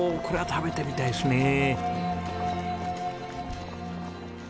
こりゃ食べてみたいですね。